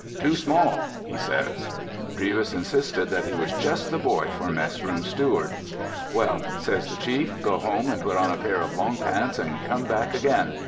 "Too small!" he says. Drevis insisted that he was just the boy for mess room steward. "Well," says the chief, "go home and put on a pair of long pants and come back again.